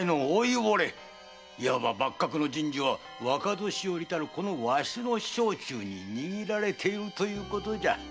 いわば幕閣の人事は若年寄であるこのわしの掌中に握られているということだ。